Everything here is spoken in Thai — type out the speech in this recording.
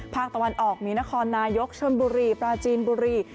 ภาคตะวันออกมีนครนายกชนบุรีปราจีนบุรี